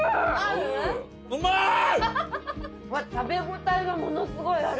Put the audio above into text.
食べ応えがものすごいある。